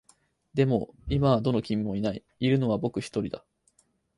でも、今はどの君もいない。いるのは僕一人だ。